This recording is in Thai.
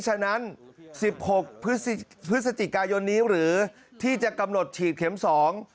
ฉะนั้นสิบหกพฤศจิกายนนี้หรือที่จะกำหนดฉีดเข็มสอง